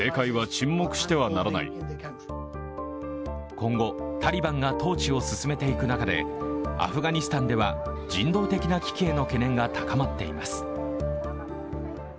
今後、タリバンが統治を進めていく中でアフガニスタンでは人道的な危機への懸念が高まっています。